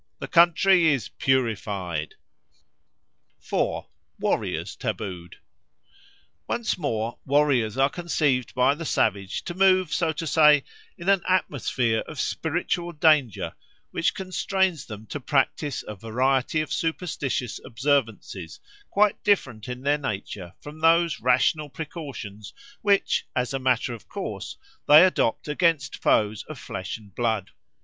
The country is purified!" 4. Warriors tabooed ONCE more, warriors are conceived by the savage to move, so to say, in an atmosphere of spiritual danger which constrains them to practise a variety of superstitious observances quite different in their nature from those rational precautions which, as a matter of course, they adopt against foes of flesh and blood.